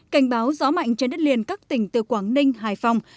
cảnh báo gió mạnh trên đất liền các tỉnh từ quảng ninh hải phòng